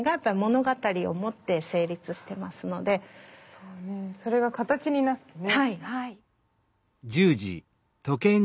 そうねそれが形になってね。